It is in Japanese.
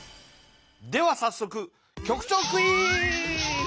ではさっそく局長クイズ！